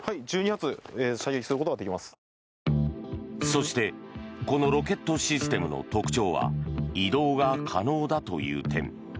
そしてこのロケットシステムの特徴は移動が可能だという点。